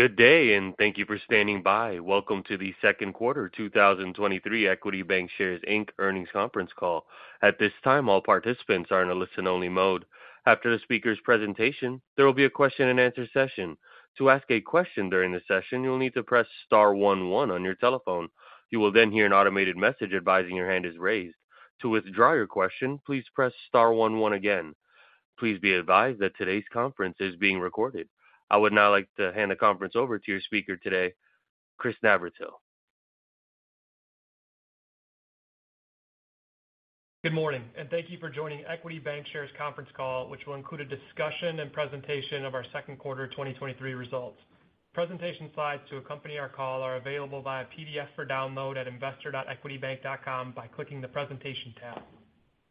Good day. Thank you for standing by. Welcome to the second quarter, 2023 Equity Bancshares, Inc. earnings conference call. At this time, all participants are in a listen-only mode. After the speaker's presentation, there will be a question-and-answer session. To ask a question during the session, you'll need to press star 1 1 on your telephone. You will then hear an automated message advising your hand is raised. To withdraw your question, please press star 1 1 again. Please be advised that today's conference is being recorded. I would now like to hand the conference over to your speaker today, Chris Navran. Good morning, thank you for joining Equity Bancshares, Inc. conference call, which will include a discussion and presentation of our 2nd quarter 2023 results. Presentation slides to accompany our call are available via PDF for download at investor.equitybank.com by clicking the Presentation tab.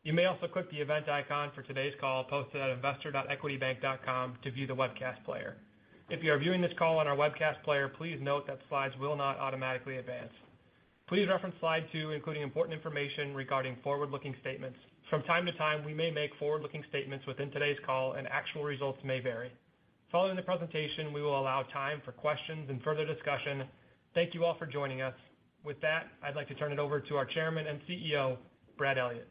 You may also click the event icon for today's call, posted at investor.equitybank.com to view the webcast player. If you are viewing this call on our webcast player, please note that slides will not automatically advance. Please reference slide 2, including important information regarding forward-looking statements. From time to time, we may make forward-looking statements within today's call, actual results may vary. Following the presentation, we will allow time for questions and further discussion. Thank you all for joining us. With that, I'd like to turn it over to our Chairman and CEO, Brad Elliott.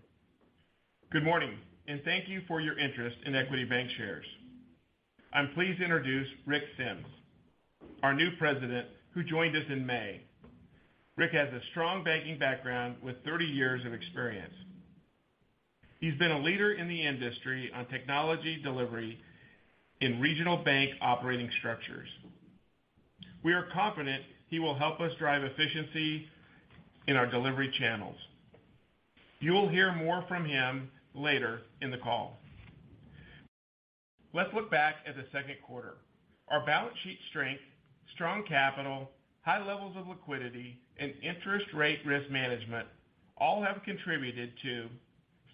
Good morning. Thank you for your interest in Equity Bancshares, Inc. I'm pleased to introduce Rick Sems, our new president, who joined us in May. Rick has a strong banking background with 30 years of experience. He's been a leader in the industry on technology delivery in regional bank operating structures. We are confident he will help us drive efficiency in our delivery channels. You will hear more from him later in the call. Let's look back at the second quarter. Our balance sheet strength, strong capital, high levels of liquidity, and interest rate risk management all have contributed to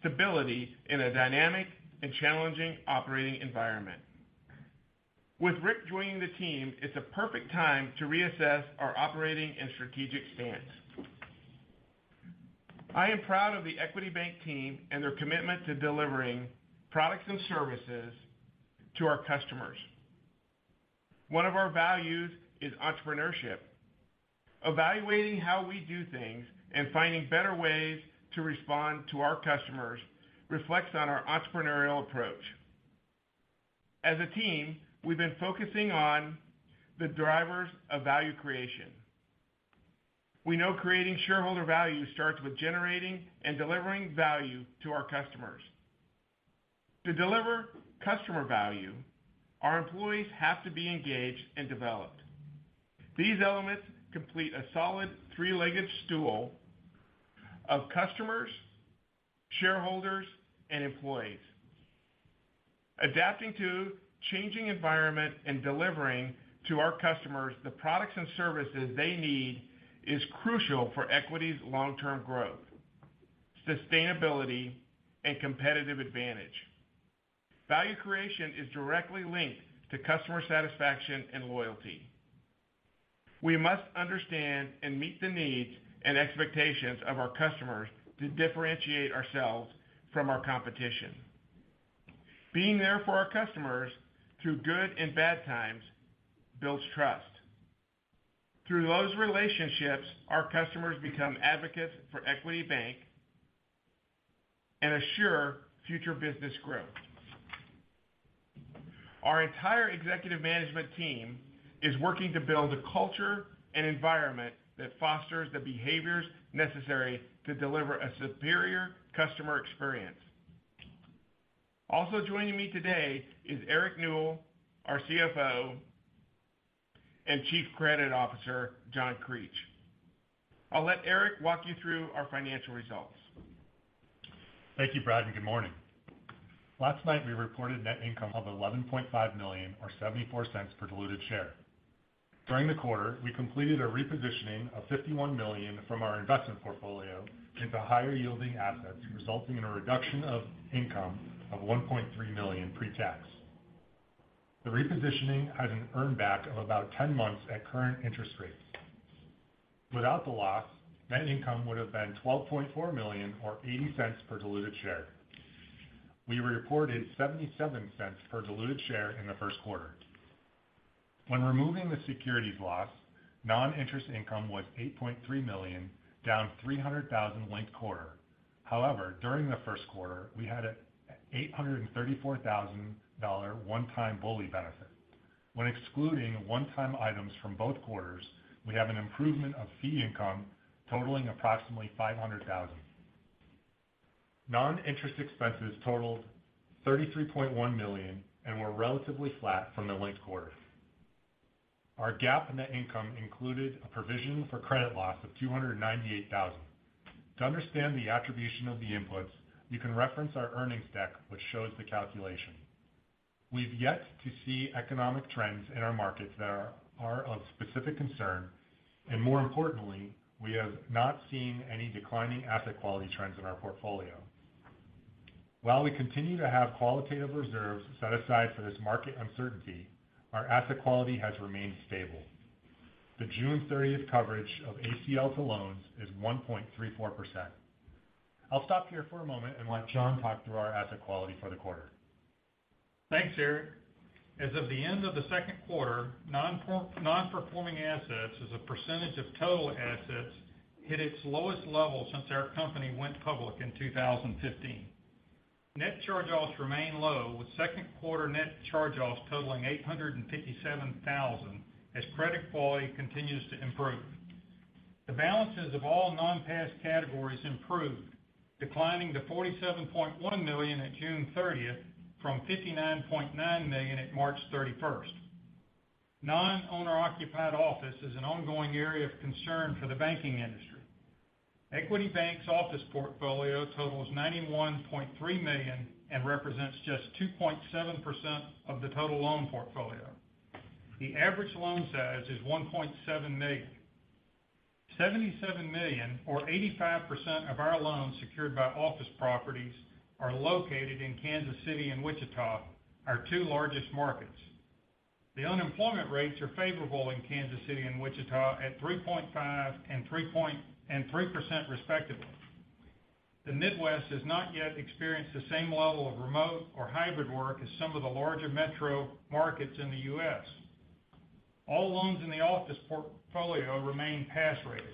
stability in a dynamic and challenging operating environment. With Rick joining the team, it's a perfect time to reassess our operating and strategic stance. I am proud of the Equity Bank team and their commitment to delivering products and services to our customers. One of our values is entrepreneurship. Evaluating how we do things and finding better ways to respond to our customers reflects on our entrepreneurial approach. As a team, we've been focusing on the drivers of value creation. We know creating shareholder value starts with generating and delivering value to our customers. To deliver customer value, our employees have to be engaged and developed. These elements complete a solid three-legged stool of customers, shareholders, and employees. Adapting to changing environment and delivering to our customers the products and services they need is crucial for Equity's long-term growth, sustainability, and competitive advantage. Value creation is directly linked to customer satisfaction and loyalty. We must understand and meet the needs and expectations of our customers to differentiate ourselves from our competition. Being there for our customers through good and bad times builds trust. Through those relationships, our customers become advocates for Equity Bank and assure future business growth. Our entire executive management team is working to build a culture and environment that fosters the behaviors necessary to deliver a superior customer experience. Also joining me today is Eric Newell, our CFO, and Chief Credit Officer, John Creech. I'll let Eric walk you through our financial results. Thank you, Brad. Good morning. Last night, we reported net income of $11.5 million or $0.74 per diluted share. During the quarter, we completed a repositioning of $51 million from our investment portfolio into higher-yielding assets, resulting in a reduction of income of $1.3 million pre-tax. The repositioning has an earn back of about 10 months at current interest rates. Without the loss, net income would have been $12.4 million or $0.80 per diluted share. We reported $0.77 per diluted share in the first quarter. When removing the securities loss, non-interest income was $8.3 million, down $300,000 linked quarter. During the first quarter, we had a $834,000 one-time BOLI benefit. When excluding one-time items from both quarters, we have an improvement of fee income totaling approximately $500,000. Non-interest expenses totaled $33.1 million and were relatively flat from the linked quarter. Our GAAP net income included a provision for credit loss of $298,000. To understand the attribution of the inputs, you can reference our earnings deck, which shows the calculation. We've yet to see economic trends in our markets that are of specific concern, and more importantly, we have not seen any declining asset quality trends in our portfolio. While we continue to have qualitative reserves set aside for this market uncertainty, our asset quality has remained stable. The June 30th coverage of ACL to loans is 1.34%. I'll stop here for a moment and let John Creech talk through our asset quality for the quarter. Thanks, Eric. As of the end of the second quarter, non-performing assets as a % of total assets, hit its lowest level since our company went public in 2015. Net charge-offs remain low, with second quarter net charge-offs totaling $857 thousand, as credit quality continues to improve. The balances of all non-paid categories improved, declining to $47.1 million on June 30th, from $59.9 million at March 31st. Non-owner occupied office is an ongoing area of concern for the banking industry. Equity Bank's office portfolio totals $91.3 million, and represents just 2.7% of the total loan portfolio. The average loan size is $1.7 million. $77 million, or 85% of our loans secured by office properties, are located in Kansas City and Wichita, our two largest markets. The unemployment rates are favorable in Kansas City and Wichita at 3.5% and 3%, respectively. The Midwest has not yet experienced the same level of remote or hybrid work as some of the larger metro markets in the U.S. All loans in the office portfolio remain pass rates.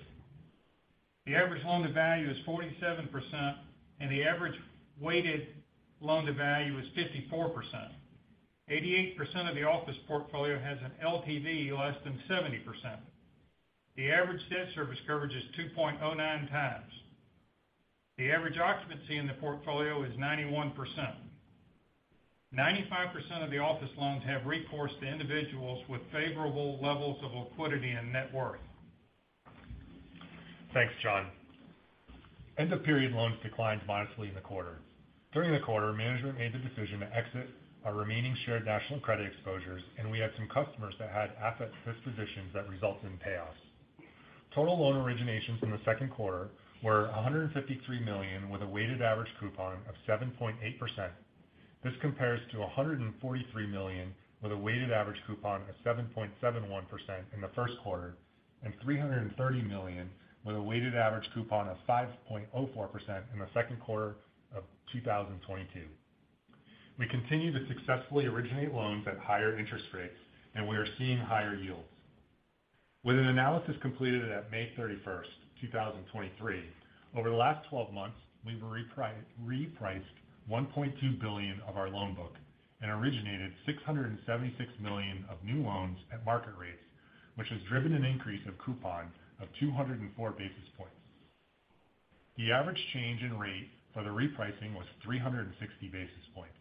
The average loan to value is 47%, and the average weighted loan to value is 54%. 88% of the office portfolio has an LTV less than 70%. The average debt service coverage is 2.09 times. The average occupancy in the portfolio is 91%. 95% of the office loans have recourse to individuals with favorable levels of liquidity and net worth. Thanks, John. End-of-period loans declined modestly in the quarter. During the quarter, management made the decision to exit our remaining Shared National Credit exposures, and we had some customers that had asset dispositions that resulted in payoffs. Total loan originations in the second quarter were $153 million, with a weighted average coupon of 7.8%. This compares to $143 million, with a weighted average coupon of 7.71% in the first quarter, and $330 million with a weighted average coupon of 5.04% in the second quarter of 2022. We continue to successfully originate loans at higher interest rates, and we are seeing higher yields. With an analysis completed at May 31st, 2023, over the last 12 months, we've repriced $1.2 billion of our loan book and originated $676 million of new loans at market rates, which has driven an increase of coupon of 204 basis points. The average change in rate for the repricing was 360 basis points.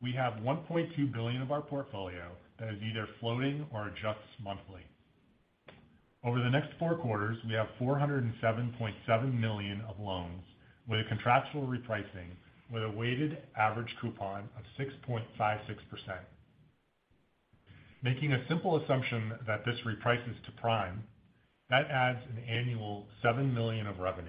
We have $1.2 billion of our portfolio that is either floating or adjusts monthly. Over the next 4 quarters, we have $407.7 million of loans with a contractual repricing, with a weighted average coupon of 6.56%. Making a simple assumption that this reprices to prime, that adds an annual $7 million of revenue.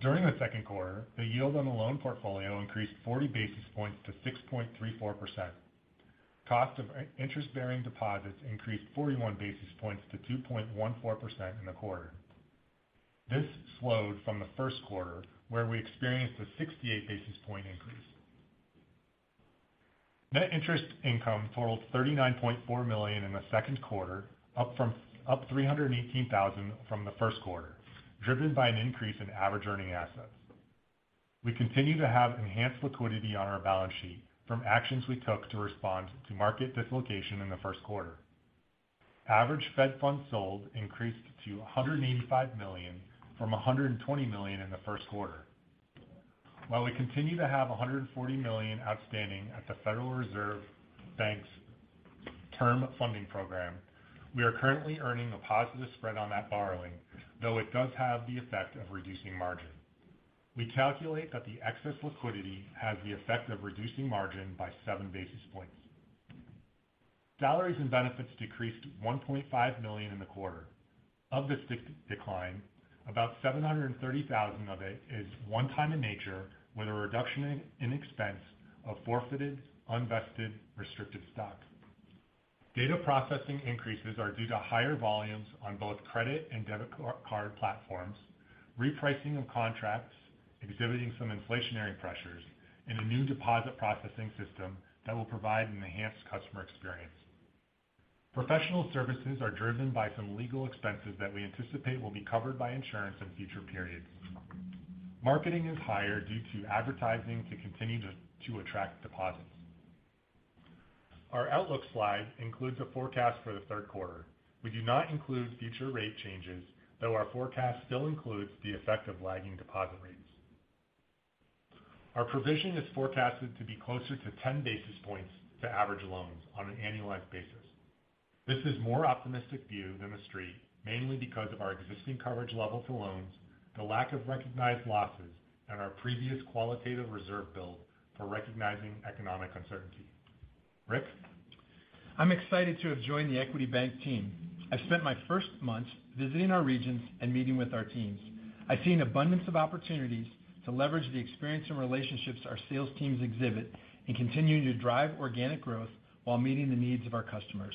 During the second quarter, the yield on the loan portfolio increased 40 basis points to 6.34%. Cost of interest-bearing deposits increased 41 basis points to 2.14% in the quarter. This slowed from the first quarter, where we experienced a 68 basis point increase. Net interest income totaled $39.4 million in the second quarter, up $318,000 from the first quarter, driven by an increase in average earning assets. We continue to have enhanced liquidity on our balance sheet from actions we took to respond to market dislocation in the first quarter. Average Fed funds sold increased to $185 million from $120 million in the first quarter. We continue to have $140 million outstanding at the Federal Reserve Bank's term funding program. We are currently earning a positive spread on that borrowing, though it does have the effect of reducing margin. We calculate that the excess liquidity has the effect of reducing margin by 7 basis points. Salaries and benefits decreased $1.5 million in the quarter. Of this decline, about $730,000 of it is one time in nature, with a reduction in expense of forfeited unvested restricted stock. Data processing increases are due to higher volumes on both credit and debit card platforms, repricing of contracts, exhibiting some inflationary pressures, and a new deposit processing system that will provide an enhanced customer experience. Professional services are driven by some legal expenses that we anticipate will be covered by insurance in future periods. Marketing is higher due to advertising to continue to attract deposits. Our outlook slide includes a forecast for the third quarter. We do not include future rate changes, though our forecast still includes the effect of lagging deposit rates. Our provision is forecasted to be closer to 10 basis points to average loans on an annualized basis. This is a more optimistic view than the Street, mainly because of our existing coverage level to loans, the lack of recognized losses, and our previous qualitative reserve build for recognizing economic uncertainty. Rick? I'm excited to have joined the Equity Bank team. I've spent my first months visiting our regions and meeting with our teams. I've seen an abundance of opportunities to leverage the experience and relationships our sales teams exhibit, and continue to drive organic growth while meeting the needs of our customers.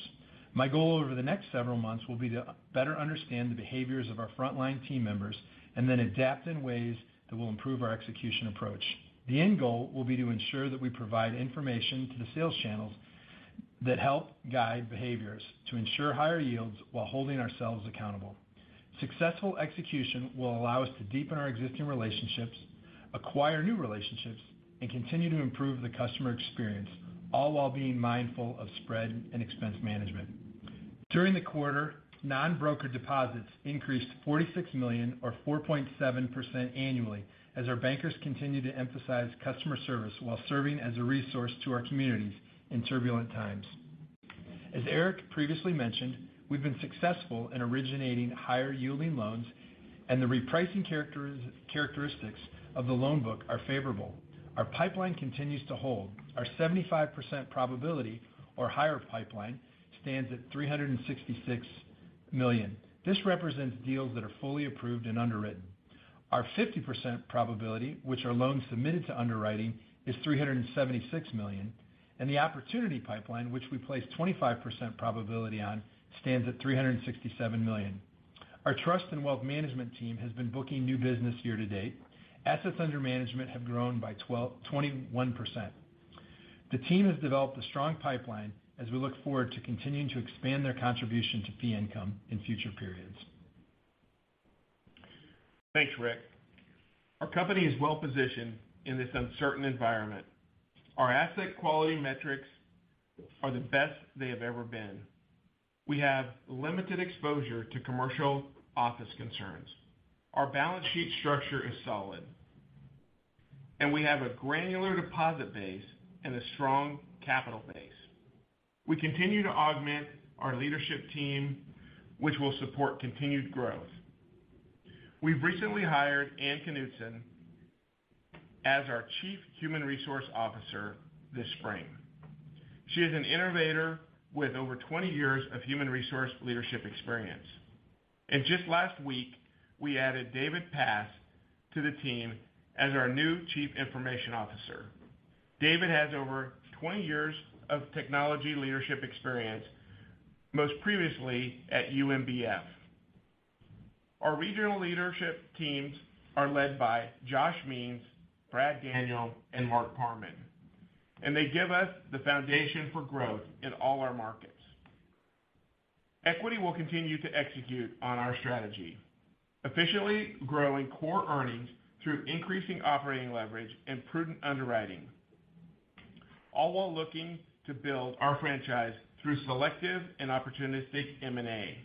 My goal over the next several months will be to better understand the behaviors of our frontline team members, and then adapt in ways that will improve our execution approach. The end goal will be to ensure that we provide information to the sales channels that help guide behaviors to ensure higher yields while holding ourselves accountable. Successful execution will allow us to deepen our existing relationships, acquire new relationships, and continue to improve the customer experience, all while being mindful of spread and expense management. During the quarter, non-broker deposits increased $46 million or 4.7% annually, as our bankers continued to emphasize customer service while serving as a resource to our communities in turbulent times. As Eric previously mentioned, we've been successful in originating higher-yielding loans, the repricing characteristics of the loan book are favorable. Our pipeline continues to hold. Our 75% probability or higher pipeline stands at $366 million. This represents deals that are fully approved and underwritten. Our 50% probability, which are loans submitted to underwriting, is $376 million, the opportunity pipeline, which we place 25% probability on, stands at $367 million. Our trust and wealth management team has been booking new business year to date. Assets under management have grown by 21%. The team has developed a strong pipeline as we look forward to continuing to expand their contribution to fee income in future periods. Thanks, Rick. Our company is well positioned in this uncertain environment. Our asset quality metrics are the best they have ever been. We have limited exposure to commercial office concerns. Our balance sheet structure is solid, and we have a granular deposit base and a strong capital base. We continue to augment our leadership team, which will support continued growth. We've recently hired Ann Knutson as our Chief Human Resources Officer this spring. She is an innovator with over 20 years of human resources leadership experience. Just last week, we added David Pass to the team as our new Chief Information Officer. David has over 20 years of technology leadership experience, most previously at UMBF. Our regional leadership teams are led by Josh Mims, Brad Daniel, and Mark Parman, and they give us the foundation for growth in all our markets. Equity will continue to execute on our strategy, efficiently growing core earnings through increasing operating leverage and prudent underwriting, all while looking to build our franchise through selective and opportunistic M&A.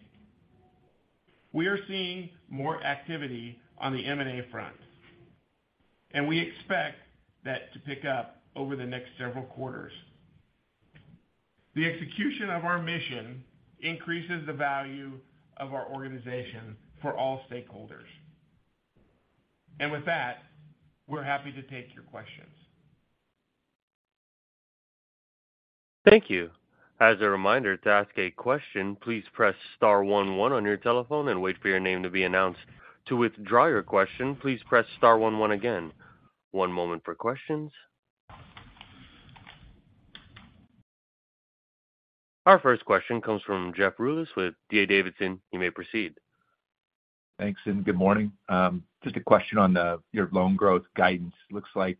We are seeing more activity on the M&A front, and we expect that to pick up over the next several quarters. The execution of our mission increases the value of our organization for all stakeholders. With that, we're happy to take your questions. Thank you. As a reminder, to ask a question, please press star one one on your telephone and wait for your name to be announced. To withdraw your question, please press star one one again. One moment for questions. Our first question comes from Jeff Rulis with D.A. Davidson. You may proceed. Thanks, and good morning. Just a question on your loan growth guidance. Looks like,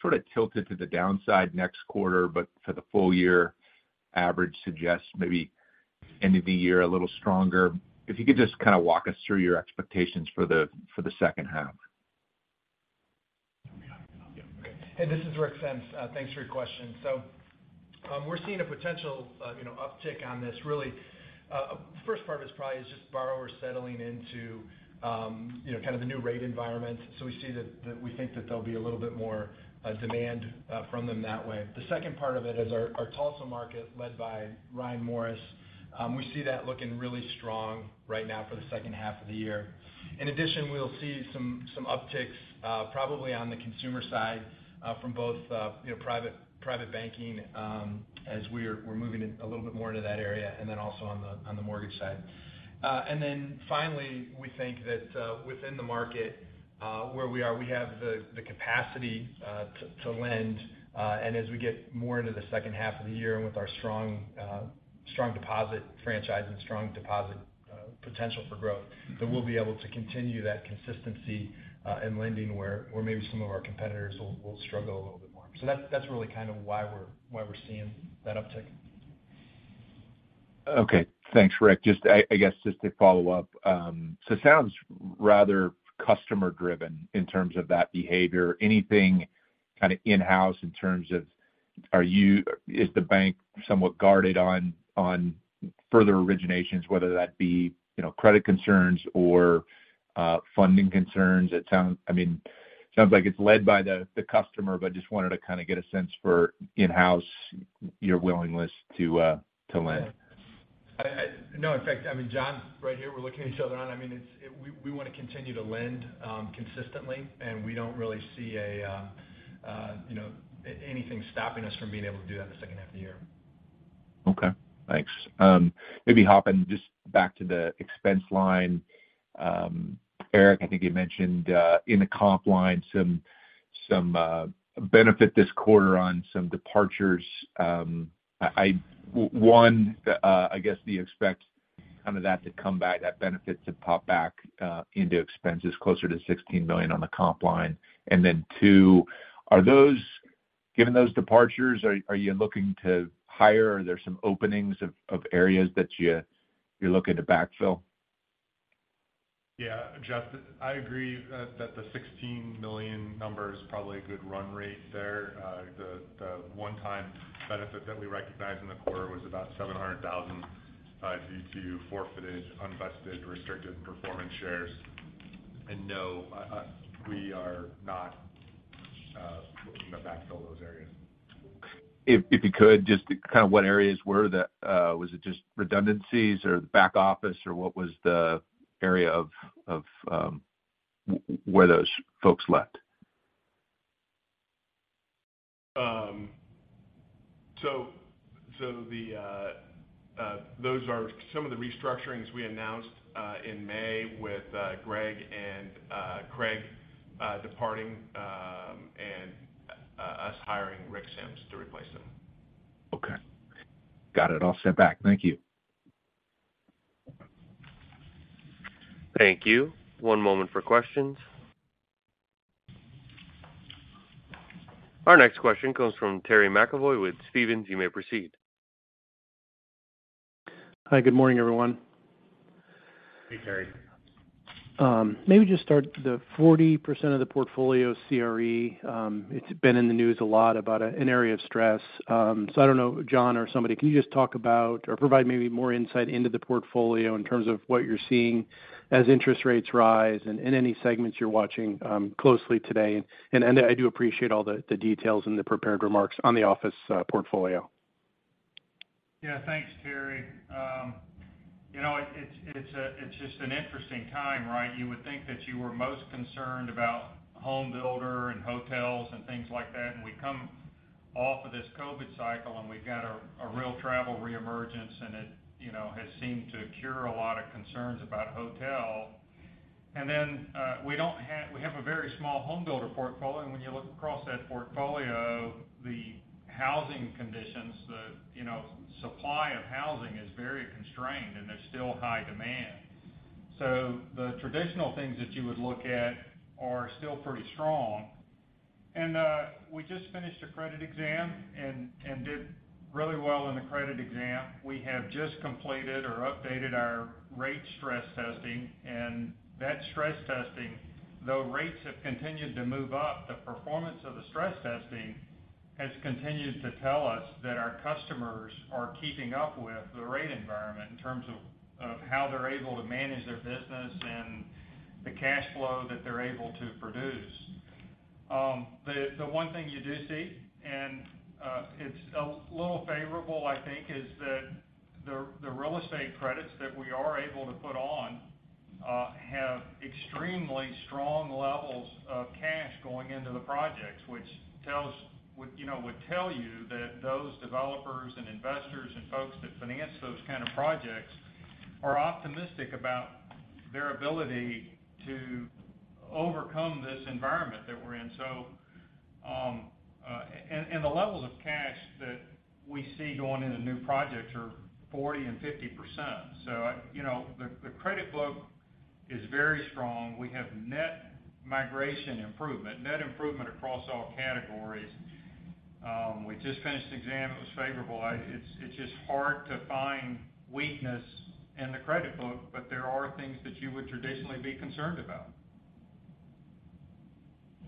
sort of tilted to the downside next quarter, but for the full year, average suggests maybe end of the year, a little stronger. If you could just kind of walk us through your expectations for the, for the H2? Hey, this is Rick Sems. Thanks for your question. We're seeing a potential, you know, uptick on this. Really, first part is probably just borrowers settling into, you know, kind of the new rate environment. We see that we think that there'll be a little bit more demand from them that way. The second part of it is our Tulsa market, led by Ryan Morris, we see that looking really strong right now for the H2 of the year. In addition, we'll see some upticks probably on the consumer side from both, you know, private banking, as we're moving a little bit more into that area, and then also on the mortgage side. Then finally, we think that, within the market, where we are, we have the capacity, to lend, and as we get more into the H2 of the year with our strong deposit franchise and strong deposit, potential for growth, that we'll be able to continue that consistency, in lending, where maybe some of our competitors will struggle a little bit more. That's really kind of why we're seeing that uptick. Okay. Thanks, Rick. Just I guess, just to follow up, it sounds rather customer-driven in terms of that behavior. Anything kind of in-house in terms of is the bank somewhat guarded on further originations, whether that be, you know, credit concerns or funding concerns? I mean, it sounds like it's led by the customer, but just wanted to kind of get a sense for in-house, your willingness to lend. No, in fact, I mean, John, right here, we're looking at each other on. I mean, we want to continue to lend consistently, and we don't really see a, you know, anything stopping us from being able to do that in the H2 of the year. Okay, thanks. Maybe hopping just back to the expense line. Eric, I think you mentioned in the comp line, some benefit this quarter on some departures. One, I guess, do you expect kind of that to come back, that benefit to pop back into expenses closer to $16 million on the comp line? Two, given those departures, are you looking to hire, are there some openings of areas that you're looking to backfill? Yeah, Jeff, I agree, that the $16 million number is probably a good run rate there. The one-time benefit that we recognized in the quarter was about $700,000, due to forfeiture, unvested, restricted performance shares. No, we are not looking to backfill those areas. If you could, just kind of was it just redundancies or the back office, or what was the area where those folks left? Those are some of the restructurings we announced in May with Greg and Craig departing, and us hiring Rick Sems to replace them. Okay. Got it all sent back. Thank you. Thank you. One moment for questions. Our next question comes from Terry McEvoy with Stephens. You may proceed. Hi, good morning, everyone. Hey, Terry. Maybe just start the 40% of the portfolio CRE. It's been in the news a lot about an area of stress. I don't know, John or somebody, can you just talk about or provide maybe more insight into the portfolio in terms of what you're seeing as interest rates rise and any segments you're watching closely today? I do appreciate all the details and the prepared remarks on the office portfolio. Yeah. Thanks, Terry. You know, it's just an interesting time, right? You would think that you were most concerned about home builder and hotels and things like that, we come off of this COVID cycle, and we've got a real travel reemergence, it, you know, has seemed to cure a lot of concerns about hotel. Then, we have a very small home builder portfolio, and when you look across that portfolio, the housing conditions, the, you know, supply of housing is very constrained, there's still high demand. The traditional things that you would look at are still pretty strong. We just finished a credit exam and did really well in the credit exam. We have just completed or updated our rate stress testing, and that stress testing, though rates have continued to move up, the performance of the stress testing has continued to tell us that our customers are keeping up with the rate environment in terms of how they're able to manage their business and the cash flow that they're able to produce. The one thing you do see, and it's a little favorable, I think, is that the real estate credits that we are able to put on have extremely strong levels of cash going into the projects, which, you know, would tell you that those developers and investors and folks that finance those kind of projects are optimistic about their ability to overcome this environment that we're in. And the levels of cash that we see going into new projects are 40% and 50%. You know, the credit book is very strong. We have net migration improvement, net improvement across all categories. We just finished the exam. It was favorable. It's just hard to find weakness in the credit book, but there are things that you would traditionally be concerned about.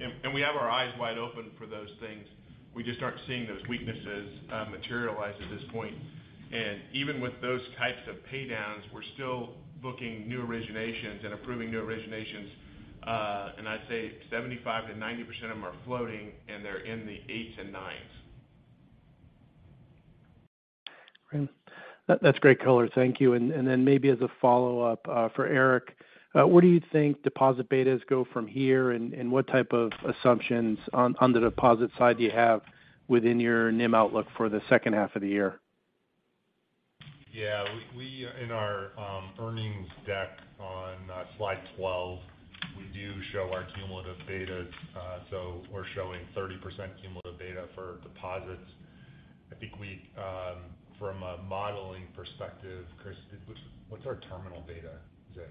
We have our eyes wide open for those things. We just aren't seeing those weaknesses materialize at this point. Even with those types of pay downs, we're still booking new originations and approving new originations. I'd say 75%-90% of them are floating, and they're in the 8s and 9s. Great. That's great caller. Thank you. Then maybe as a follow-up, for Eric, where do you think deposit betas go from here? What type of assumptions on the deposit side do you have within your NIM outlook for the H2 of the year? We in our earnings deck on slide 12, we do show our cumulative beta. We're showing 30% cumulative beta for deposits. I think we from a modeling perspective, Chris, what's our terminal beta? Is it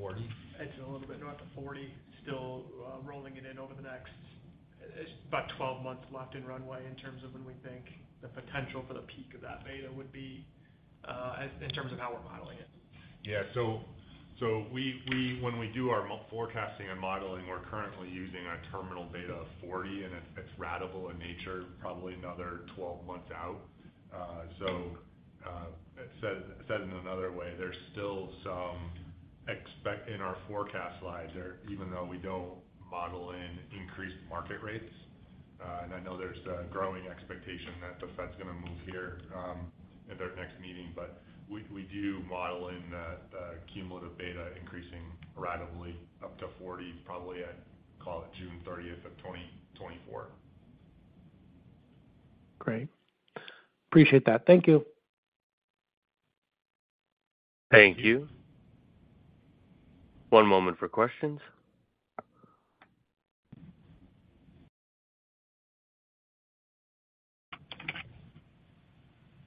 40? It's a little bit north of 40. Still, rolling it in over the next, about 12 months left in runway in terms of when we think the potential for the peak of that beta would be, in terms of how we're modeling it. So when we do our forecasting and modeling, we're currently using a terminal beta of 40, and it's ratable in nature, probably another 12 months out. Said in another way, there's still some in our forecast slides, even though we don't model in increased market rates. I know there's the growing expectation that the Fed's going to move here, at their next meeting, we do model in the cumulative beta increasing rapidly up to 40, probably I'd call it June 30th of 2024. Great. Appreciate that. Thank you. Thank you. One moment for questions.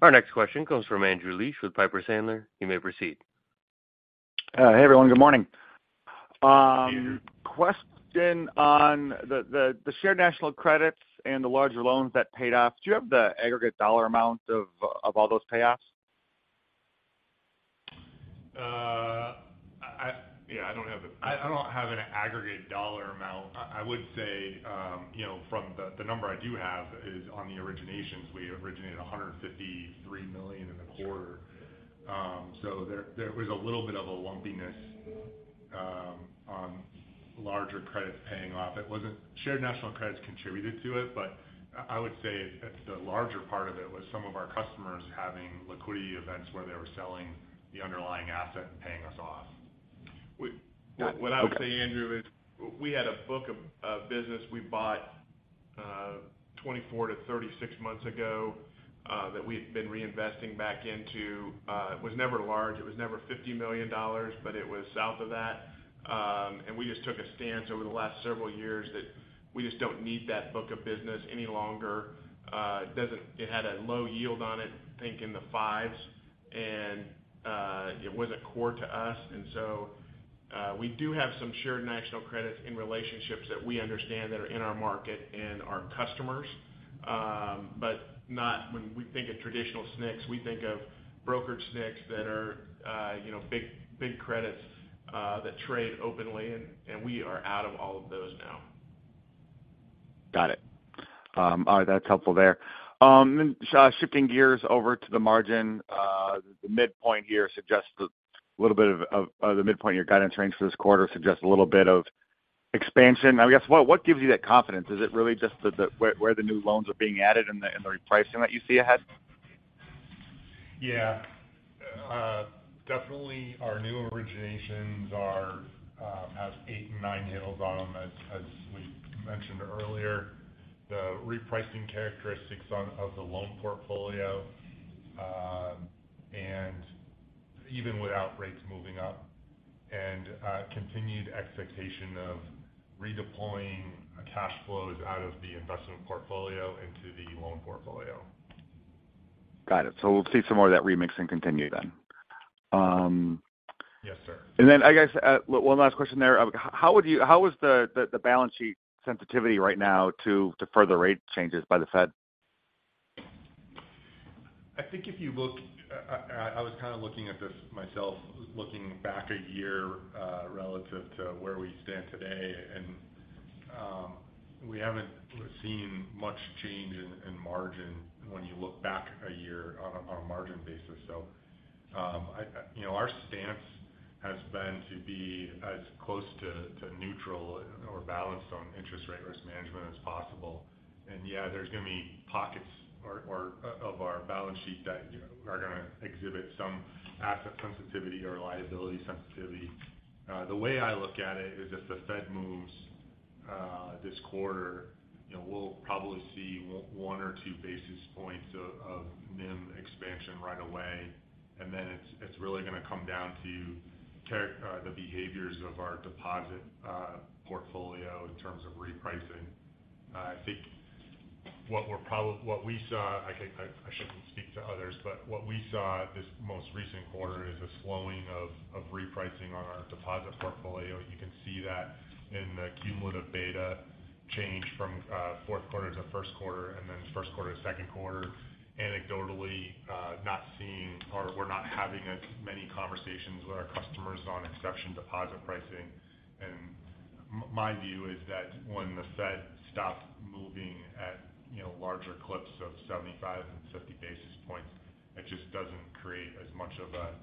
Our next question comes from Andrew Liesch with Piper Sandler. You may proceed. Hey, everyone. Good morning. Thank you. Question on the Shared National Credits and the larger loans that paid off. Do you have the aggregate dollar amount of all those payoffs? Yeah, I don't have an aggregate dollar amount. I would say, you know, from the number I do have is on the originations. We originated $153 million in the quarter. There was a little bit of a lumpiness on larger credits paying off. It wasn't Shared National Credits contributed to it, but I would say the larger part of it was some of our customers having liquidity events where they were selling the underlying asset and paying us off. Got it. What I would say, Andrew, is we had a book of business we bought, 24-36 months ago, that we've been reinvesting back into. It was never large. It was never $50 million, but it was south of that. We just took a stance over the last several years that we just don't need that book of business any longer. It had a low yield on it, I think, in the 5s, it wasn't core to us. We do have some Shared National Credits in relationships that we understand that are in our market and are customers, but not when we think of traditional SNCs, we think of brokered SNCs that are, you know, big, big credits that trade openly, and we are out of all of those now. Got it. All right, that's helpful there. Shifting gears over to the margin, the midpoint here suggests a little bit of the midpoint of your guidance range for this quarter suggests a little bit of expansion. I guess, what gives you that confidence? Is it really just the where the new loans are being added and the repricing that you see ahead? Yeah. Definitely, our new originations are have eight and nine handles on them, as we mentioned earlier. The repricing characteristics of the loan portfolio, and even without rates moving up and continued expectation of redeploying cash flows out of the investment portfolio into the loan portfolio. Got it. we'll see some more of that remixing continue then. I guess, one last question there. How is the balance sheet sensitivity right now to further rate changes by the Fed? I think if you look, I was kind of looking at this myself, looking back a year, relative to where we stand today, we haven't seen much change in margin when you look back a year on a margin basis. I, you know, our stance has been to be as close to neutral or balanced on interest rate risk management as possible. Yeah, there's going to be pockets or of our balance sheet that, you know, are going to exhibit some asset sensitivity or liability sensitivity. The way I look at it is, if the Fed moves, this quarter, you know, we'll probably see 1 or 2 basis points of NIM expansion right away. It's really going to come down to the behaviors of our deposit portfolio in terms of repricing. I think what we saw, I shouldn't speak to others, but what we saw this most recent quarter is a slowing of repricing on our deposit portfolio. You can see that in the cumulative beta change from fourth quarter to first quarter and then first quarter to second quarter. Anecdotally, not seeing or we're not having as many conversations with our customers on exception deposit pricing. My view is that when the Fed stops moving at, you know, larger clips of 75 and 50 basis points, it just doesn't create as much of a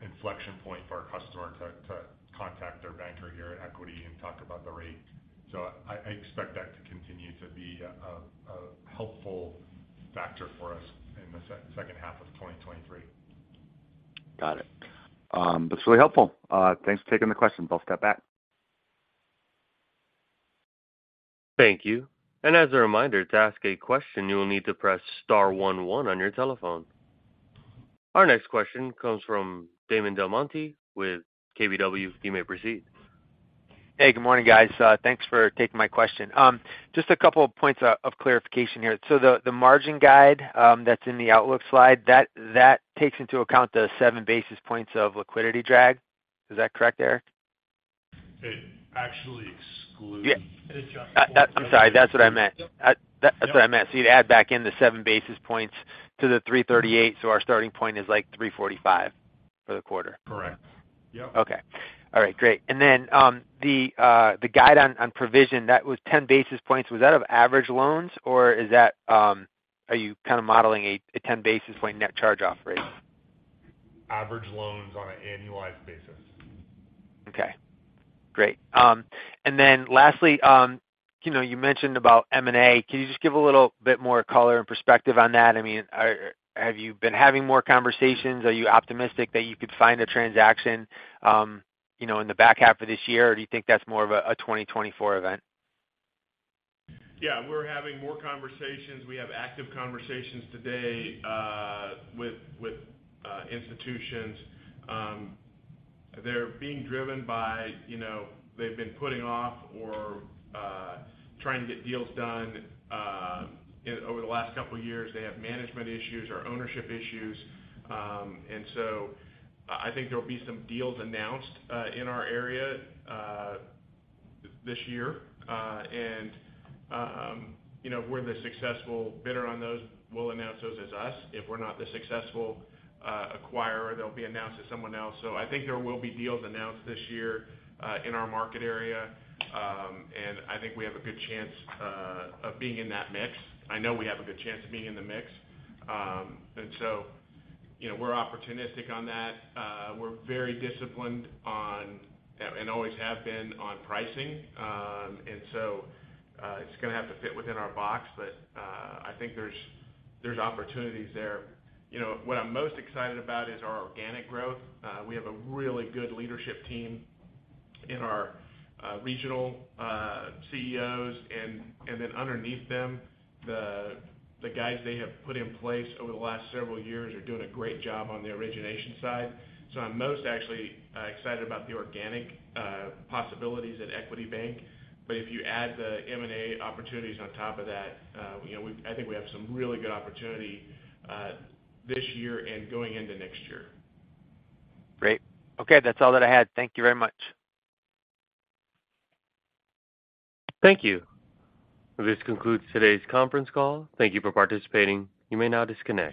inflection point for our customer to contact their banker here at Equity and talk about the rate. I expect that to continue to be a helpful factor for us in the H2 of 2023. Got it. That's really helpful. Thanks for taking the question. I'll step back. Thank you. As a reminder, to ask a question, you will need to press star one one on your telephone. Our next question comes from Damon DelMonte with KBW. You may proceed. Hey, good morning, guys. Thanks for taking my question. Just a couple of points of clarification here. The margin guide, that's in the outlook slide, that takes into account the 7 basis points of liquidity drag? Is that correct, Eric? I'm sorry. That's what I meant. Yep. That's what I meant. You'd add back in the 7 basis points to the 338, our starting point is, like, 345 for the quarter? Correct. Yep. Okay. All right, great. The guide on provision, that was 10 basis points. Was that of average loans, or is that, are you kind of modeling a 10 basis point net charge-off rate? Average loans on an annualized basis. Okay, great. Lastly, you know, you mentioned about M&A. Can you just give a little bit more caller and perspective on that? I mean, have you been having more conversations? Are you optimistic that you could find a transaction, you know, in the back half of this year? Or do you think that's more of a 2024 event? Yeah, we're having more conversations. We have active conversations today, with institutions. They're being driven by, you know, they've been putting off or trying to get deals done, over the last couple of years. They have management issues or ownership issues. I think there'll be some deals announced in our area this year. If we're the successful bidder on those, we'll announce those as us. If we're not the successful acquirer, they'll be announced to someone else. I think there will be deals announced this year in our market area. I think we have a good chance of being in that mix. I know we have a good chance of being in the mix. You know, we're opportunistic on that. We're very disciplined on, and always have been, on pricing. It's gonna have to fit within our box, but I think there's opportunities there. You know, what I'm most excited about is our organic growth. We have a really good leadership team in our regional CEO's. Then underneath them, the guys they have put in place over the last several years are doing a great job on the origination side. I'm most actually excited about the organic possibilities at Equity Bank. If you add the M&A opportunities on top of that, you know, I think we have some really good opportunity this year and going into next year. Great. Okay, that's all that I had. Thank you very much. Thank you. This concludes today's conference call. Thank you for participating. You may now disconnect.